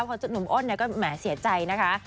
เพราะจุดหนุ่มโอนเนี่ยก็แหม่เสียใจนะคะ